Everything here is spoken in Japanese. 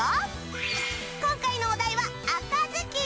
今回のお題は「赤ずきん」